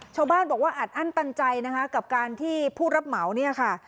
ชาวบ้านบอกว่าอัดอั้นตันใจนะคะกับการที่ผู้รับเหมาเนี่ยค่ะ